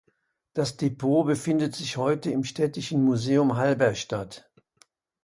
Das Depot befindet sich heute im Städtischen Museum Halberstadt.